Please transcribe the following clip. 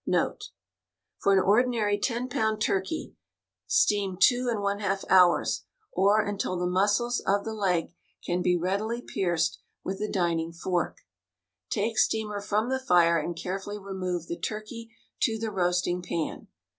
"* For an ordinary ten pound turkey steam 2j^ hours or until the muscles of the leg can be readily pierced with a dining fork. Take steamer from the fire and carefully remove the turkey to the roasting pan.